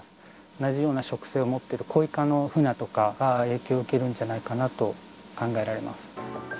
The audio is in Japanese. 同じような食性を持っている、コイ科のフナとかが影響を受けるんじゃないかなと考えられます。